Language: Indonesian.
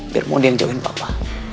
biar mondi yang jauhin papa